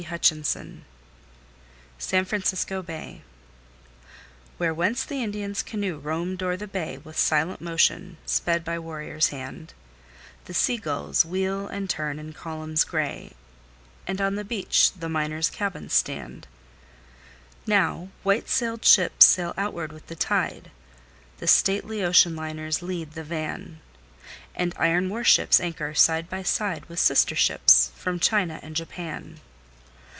San Francisco Bay Where once the Indian's canoe roamed o'er the bay, With silent motion, sped by warrior's hand; The sea gulls wheel and turn in columns gray, And on the beach the miners' cabins stand; Now, white sailed ships sail outward with the tide, The stately ocean liners lead the van; And iron warships anchor side by side, With sister ships from China and Japan.